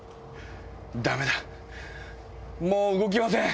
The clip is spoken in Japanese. ダメだもう動きません。